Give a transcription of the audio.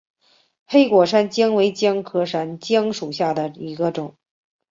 黑果山姜为姜科山姜属下的一个种。